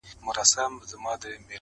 ته پاچا هغه فقیر دی بې نښانه؛